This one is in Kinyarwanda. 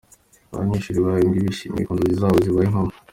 Abanyeshuri bahembwe bishimiye ko inzozi zabo zibaye impamo.